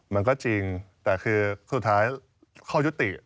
มันก็จริงแต่คือสุดท้ายข้อยุติ